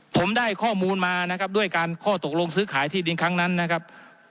ผมได้ข้อมูลมานะครับด้วยการข้อตกลงซื้อขายที่ดินครั้งนั้นนะครับ